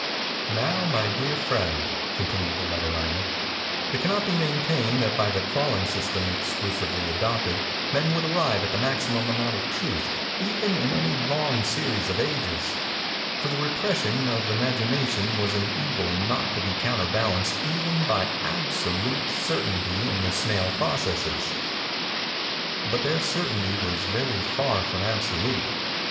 "Now, my dear friend," continues the letter writer, "it cannot be maintained that by the crawling system, exclusively adopted, men would arrive at the maximum amount of truth, even in any long series of ages; for the repression of imagination was an evil not to be counterbalanced even by absolute certainty in the snail processes. But their certainty was very far from absolute.